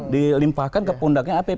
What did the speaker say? dilimfahkan ke pundaknya app